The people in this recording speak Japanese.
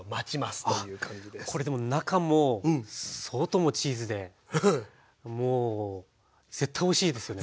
これでも中も外もチーズでもう絶対おいしいですよね。